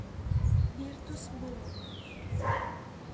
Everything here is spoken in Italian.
Virtus Bologna.